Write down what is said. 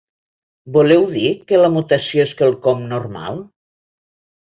Voleu dir que la mutació és quelcom normal?